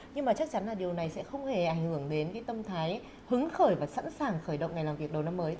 nhưng mà chắc chắn là điều này sẽ không hề ảnh hưởng đến tâm thái hứng khởi và sẵn sàng khởi động ngày làm việc đầu năm mới